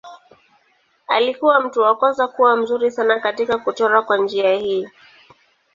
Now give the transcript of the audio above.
Alikuwa mtu wa kwanza kuwa mzuri sana katika kuchora kwa njia hii.